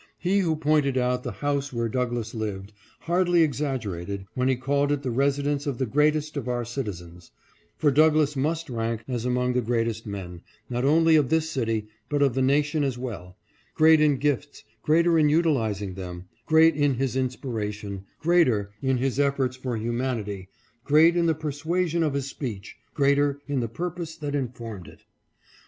He who pointed out the house where Douglass lived, hardly exaggerated when he called it the resi dence of the greatest of our citizens ; for Douglass must rank as among the greatest men, not only of this city, but of the nation as well — great in gifts, greater in utilizing them, great in his inspiration, greater in his efforts for humanity, great in the persuasion of his speech, greater in the purpose that informed it.